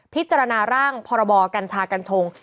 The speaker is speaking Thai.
พิจารณาร่างพรบกัญชากัญชง